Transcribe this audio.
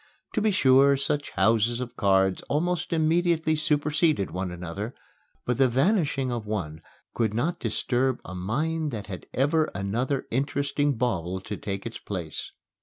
To be sure, such houses of cards almost immediately superseded one another, but the vanishing of one could not disturb a mind that had ever another interesting bauble to take its place.